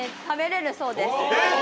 えっ！